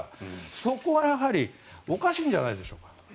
そこはやはりおかしいんじゃないでしょうか。